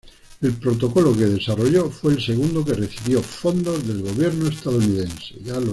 El protocolo que desarrolló fue el segundo que recibió fondos del gobierno estadounidense.